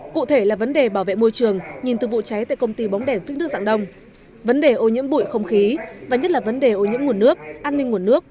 cụ thể là vấn đề bảo vệ môi trường nhìn từ vụ cháy tại công ty bóng đèn phích nước dạng đông vấn đề ô nhiễm bụi không khí và nhất là vấn đề ô nhiễm nguồn nước an ninh nguồn nước